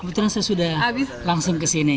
kebetulan saya sudah langsung kesini